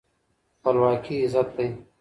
خپلواکي عزت دی.